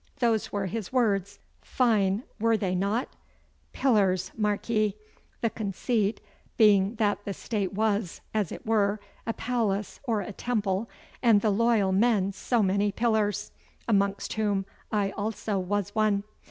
Those were his words. Fine, were they not? Pillars, mark ye, the conceit being that the State was, as it were, a palace or a temple, and the loyal men so many pillars, amongst whom I also was one.